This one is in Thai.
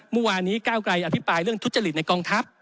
เมื่อวานนี้ก้าวไกรอภิปรายเรื่องทุจริตในกองทัพ